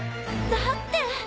だって。